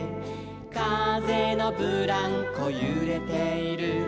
「かぜのブランコゆれている」